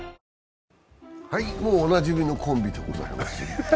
もうおなじみのコンビでございますね。